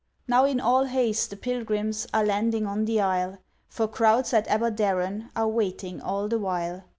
Now, in all haste the pilgrims Are landing on the isle, For crowds at Aberdaron Are waiting all the while.